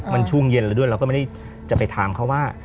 มันช่วงเย็นแล้วด้วยเราก็ไม่ได้จะไปถามเขาว่า